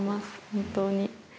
本当に。